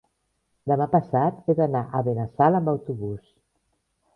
Demà passat he d'anar a Benassal amb autobús.